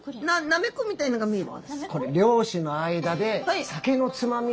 なめこみたいのが見える。